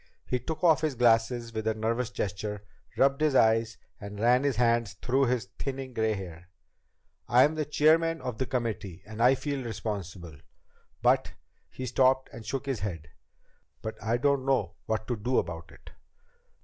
He took off his glasses with a nervous gesture, rubbed his eyes, and ran his hand through his thinning gray hair. "I'm the chairman of the committee, and I feel responsible. But " He stopped and shook his head. "But I don't know what to do about it."